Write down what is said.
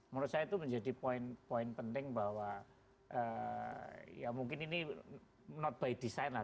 menurut saya itu menjadi poin poin penting bahwa ya mungkin ini not by design lah